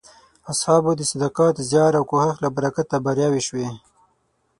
اصحابو د صداقت، زیار او کوښښ له برکته بریاوې شوې.